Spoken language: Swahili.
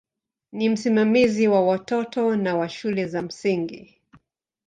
Ni msimamizi wa watoto na wa shule za msingi.